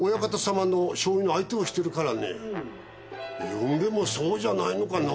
ゆんべもそうじゃないのかな。